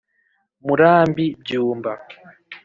murambi byumba)